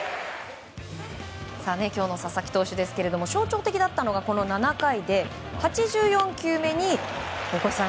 今日の佐々木投手ですけれども象徴的だったのは７回で８４球目に大越さん